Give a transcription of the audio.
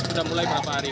udah mulai berapa hari